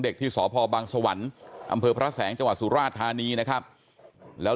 ที่สพบังสวรรค์อำเภอพระแสงจังหวัดสุราชธานีนะครับแล้ว